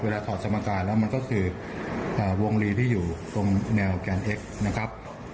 ถอดสมการแล้วมันก็คือวงลีที่อยู่ตรงแนวแกนเอ็กซ์นะครับ